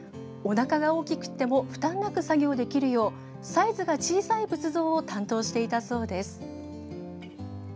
おなかが大きくても負担なく作業できるようサイズが小さい仏像を担当していたそうです。